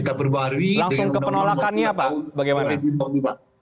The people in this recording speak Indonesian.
langsung ke penolakannya pak bagaimana